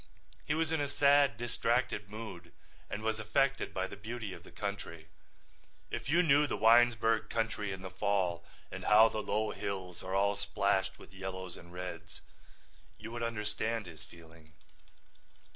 He was in a sad, distracted mood and was affected by the beauty of the country. If you knew the Winesburg country in the fall and how the low hills are all splashed with yellows and reds you would understand his feeling.